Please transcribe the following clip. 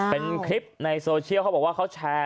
เป็นคลิปในโซเชียลเขาบอกว่าเขาแชร์